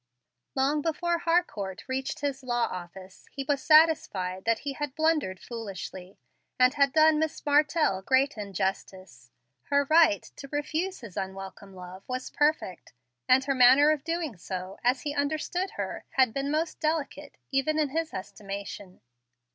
Long before Harcourt reached his law office, he was satisfied that he had blundered foolishly, and done Miss Martell great injustice. Her right to refuse his unwelcome love was perfect, and her manner of doing so, as he understood her, had been most delicate, even in his estimation.